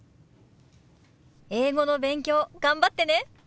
英語の勉強頑張ってね。